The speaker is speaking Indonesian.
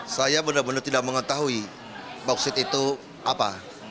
saya benar benar tidak mengetahui bauksit itu apa